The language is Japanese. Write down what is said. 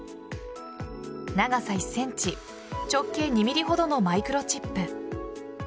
長さ１ｃｍ直径２ｍｍほどのマイクロチップ。